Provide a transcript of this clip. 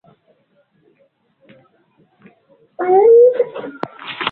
Kama unataka kwenda mbali nenda na wenzako